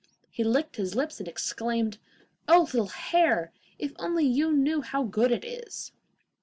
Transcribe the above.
He licked his lips and exclaimed, 'Oh, little hare, if you only knew how good it is!